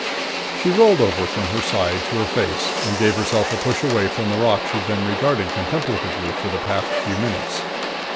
She rolled over from her side to her face and gave herself a push away from the rock she'd been regarding contemplatively for the past few minutes.